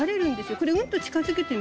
これうんと近づけてみて。